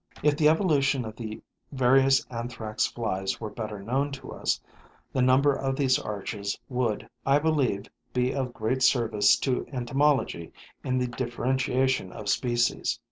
If the evolution of the various Anthrax flies were better known to us, the number of these arches would, I believe, be of great service to entomology in the differentiation of species.